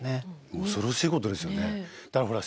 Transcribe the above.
恐ろしいことですよね。